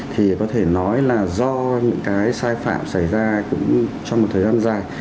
thì có thể nói là do những cái sai phạm xảy ra cũng trong một thời gian dài